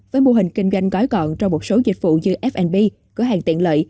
với mô hình kinh doanh gói gọn trong một số dịch vụ như f b cửa hàng tiện lợi